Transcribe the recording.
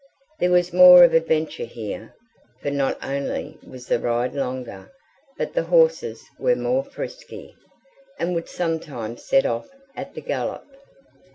There was more of adventure here, for not only was the ride longer, but the horses were more frisky, and would sometimes set off at the gallop.